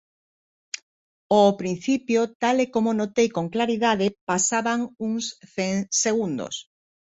Ó principio, tal e como notei con claridade, pasaban uns cen segundos.